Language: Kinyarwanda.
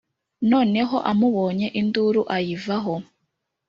noneho amubonye induru ayivaho